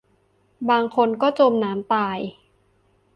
บางคนก็จมน้ำตาย